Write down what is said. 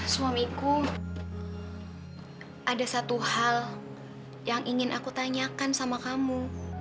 suamiku ada satu hal yang ingin aku tanyakan sama kamu